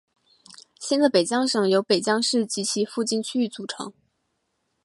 新的北江省由北江市及其附近区域组成。